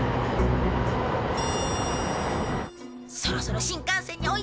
そろそろ新幹線に追いつくぞ。